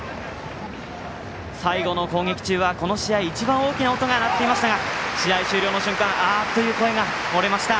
最後の攻撃中はこの試合一番大きな音が鳴っていましたが試合終了の瞬間ああという声がもれました。